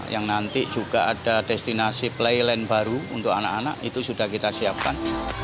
yang nanti juga ada destinasi play land baru untuk anak anak itu sudah kita siapkan